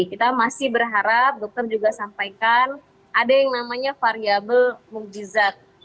kita masih berharap dokter juga sampaikan ada yang namanya variable mugjizat